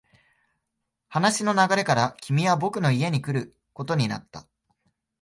話の流れから、君は僕の家に来ることになった。